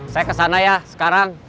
saya kesana ya sekarang